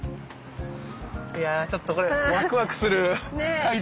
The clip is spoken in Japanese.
いやちょっとこれワクワクする階段ですよね。